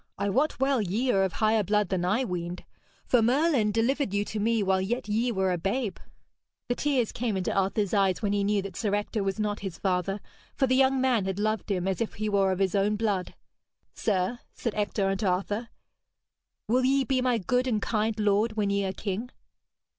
I wot well ye are of higher blood than I weened. For Merlin delivered you to me while yet ye were a babe.' The tears came into Arthur's eyes when he knew that Sir Ector was not his father, for the young man had loved him as if he were of his own blood. 'Sir,' said Ector unto Arthur, 'will ye be my good and kind lord when ye are king?'